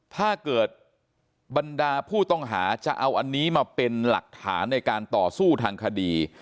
ถ้าเกิดบรรดาผู้ต้องหาจะเอาอันนี้มาเป็นหลักฐานในการต่อสู้ทางคดี